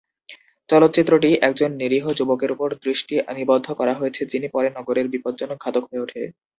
চলচ্চিত্রটি একজন নিরীহ যুবকের উপর দৃষ্টি নিবদ্ধ করা হয়েছে যিনি পরে নগরের বিপজ্জনক ঘাতক হয়ে ওঠেন।